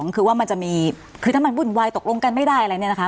คือว่ามันจะมีคือถ้ามันวุ่นวายตกลงกันไม่ได้อะไรเนี่ยนะคะ